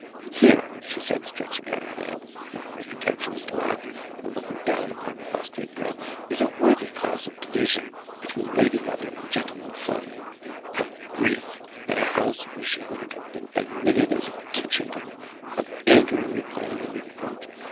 Here,' she said, stretching out her hand with her contemptuous laugh, and looking down upon the prostrate girl, 'is a worthy cause of division between lady mother and gentleman son; of grief in a house where she wouldn't have been admitted as a kitchen girl; of anger, and repining, and reproach.